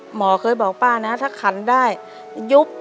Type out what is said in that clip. หมอเคยบอกว่าป่านี่อ่ะถ้าขันได้ยุบ